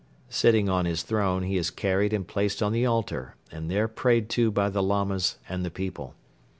Sitting on his throne, he is carried and placed on the altar and there prayed to by the Lamas and the people.